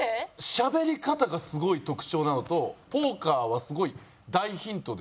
しゃべり方がすごい特徴なのとポーカーはすごい大ヒントですね。